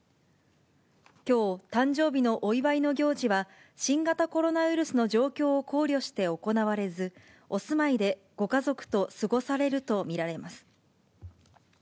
きょう、誕生日のお祝いの行事は、新型コロナウイルスの状況を考慮して行われず、お住まいでご家族と過ごされると見られます。